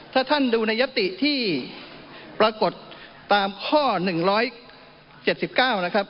ถ้าท่านดูในยศติที่ปรากฏตามข้อหนึ่งร้อยเจ็ดสิบเก้านะครับ